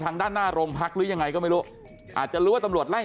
ทางด้านหน้าโรงพักหรือยังไงก็ไม่รู้อาจจะรู้ว่าตำรวจไล่